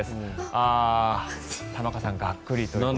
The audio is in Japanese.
ああ、玉川さん、がっくりと。